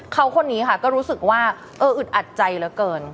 เขาคนนี้ค่ะก็รู้สึกว่าเอออึดอัดใจเหลือเกิน